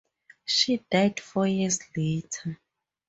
She died four years later.